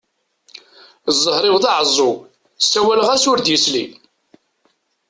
Zzher-iw d aɛeẓẓug, ssawleɣ-as, ur d-yesli.